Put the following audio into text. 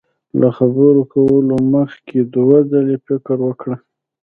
له خبرو کولو مخ کي دوه ځلي فکر وکړه